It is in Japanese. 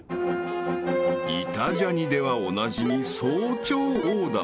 ［『イタ×ジャニ』ではおなじみ早朝大玉］